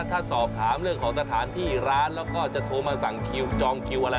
ถ้าสอบถามเรื่องของสถานที่ร้านแล้วก็จะโทรมาสั่งคิวจองคิวอะไร